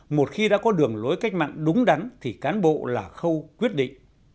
một khi đã có đường lối cách mạng đúng đắn thì cán bộ là khâu quyết định